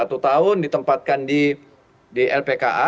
satu tahun ditempatkan di lpka